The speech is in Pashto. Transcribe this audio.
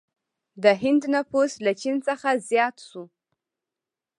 د هند نفوس له چین څخه زیات شو.